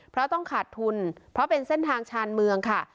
เพราะต้องขาดทุนเพราะเป็นเส้นทางชานเมืองค่ะ